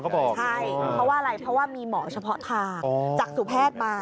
ก็บอกใช่เพราะว่าอะไรเพราะว่ามีหมอเฉพาะทางจากสู่แพทย์มา